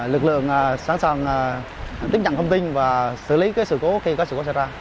lực lượng sẵn sàng tiếp nhận thông tin và xử lý sự cố khi có sự cố xảy ra